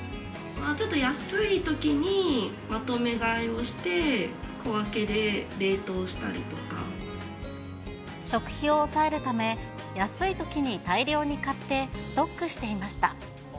ちょっと安いときにまとめ買いをして、食費を抑えるため、安いときに大量に買ってストックしていました。